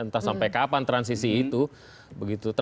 entah sampai kapan transisi itu begitu